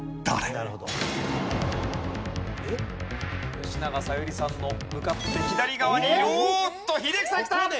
吉永小百合さんの向かって左側にいるおっと英樹さんきた！